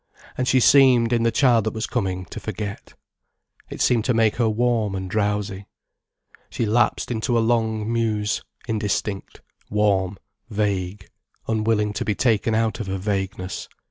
And she seemed, in the child that was coming, to forget. It seemed to make her warm and drowsy. She lapsed into a long muse, indistinct, warm, vague, unwilling to be taken out of her vagueness.